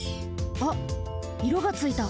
あっいろがついた。